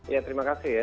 ya terima kasih ya